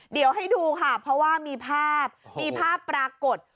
เดี๋ยวให้ดูค่ะเพราะว่ามีภาพมีภาพปรากฏ